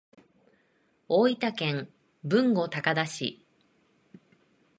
大分県豊後高田市